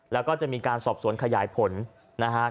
แล้วก็จะมีการสอบสวนขยายผลนะครับ